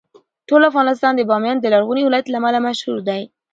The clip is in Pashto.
ټول افغانستان د بامیان د لرغوني ولایت له امله مشهور دی.